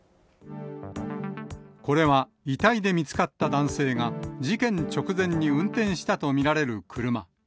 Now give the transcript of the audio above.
これは遺体で見つかった男性が事件直前に運転したと見られる車。